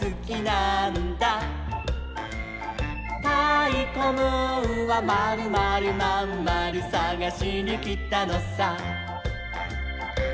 「たいこムーンはまるまるまんまるさがしにきたのさ」